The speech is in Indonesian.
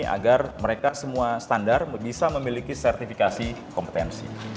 agar mereka semua standar bisa memiliki sertifikasi kompetensi